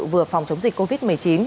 vừa phòng chống dịch covid một mươi chín